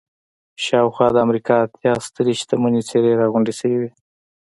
شاوخوا د امريکا اتيا سترې شتمنې څېرې را غونډې شوې وې.